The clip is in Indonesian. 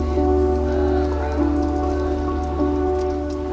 ya allah ya allah